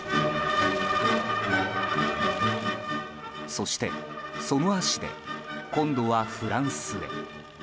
そして、その足で今度はフランスへ。